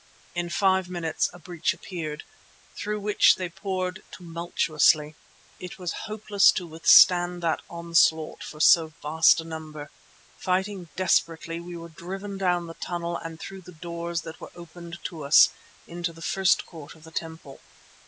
In five minutes a breach appeared, through which they poured tumultuously. It was hopeless to withstand that onslaught of so vast a number. Fighting desperately, we were driven down the tunnel and through the doors that were opened to us, into the first court of the temple.